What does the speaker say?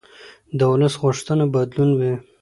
د ولس غوښتنه بدلون وي